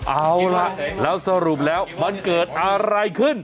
เอาล่ะแล้วสรุปแล้วมันเกิดอะไรขึ้น